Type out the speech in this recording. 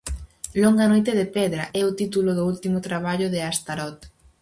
"Longa noite de Pedra" é o título do último traballo de Astarot.